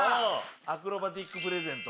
アクロバティックプレゼント。